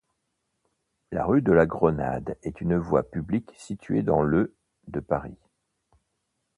La rue de la Grenade est une voie publique située dans le de Paris.